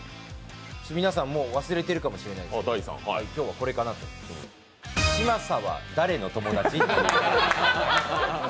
皆さん、もう忘れてるかもしれないですけど、今日はこれかなと思います。